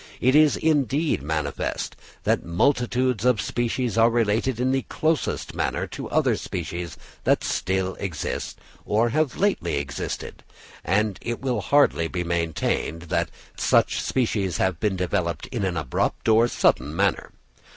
It is indeed manifest that multitudes of species are related in the closest manner to other species that still exist, or have lately existed; and it will hardly be maintained that such species have been developed in an abrupt or sudden manner.